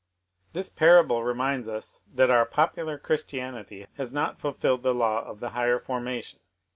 This parable reminds us that our popular Chris tianity has not fulfilled the law of the higher formation.